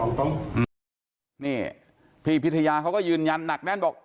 นี่เนี่ยพี่พิธยาเขาก็ยื่นยันน่ากแน่นว่า